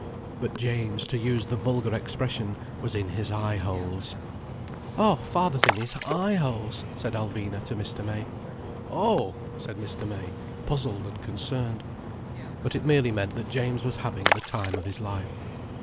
But James, to use the vulgar expression, was in his eye holes. "Oh, father's in his eye holes," said Alvina to Mr. May. "Oh!" said Mr. May, puzzled and concerned. But it merely meant that James was having the time of his life.